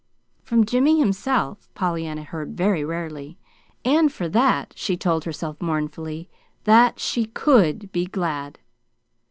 From Jimmy himself Pollyanna heard very rarely; and for that she told herself mournfully that she COULD be GLAD.